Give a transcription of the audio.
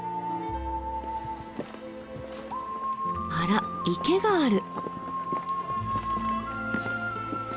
あらっ池がある。